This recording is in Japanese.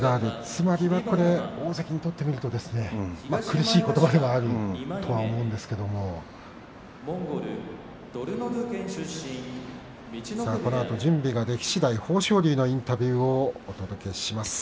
つまり大関にとっては苦しいことばではあると思うんですけれどもこのあと準備ができましたら豊昇龍のインタビューをお届けします。